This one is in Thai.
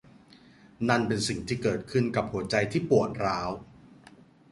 นั่นเป็นสิ่งที่เกิดขึ้นกับหัวใจที่ปวดร้าว